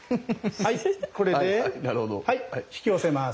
これで引き寄せます。